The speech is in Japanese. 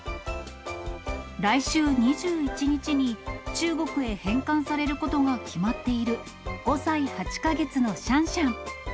来週２１日に、中国へ返還されることが決まっている、５歳８か月のシャンシャン。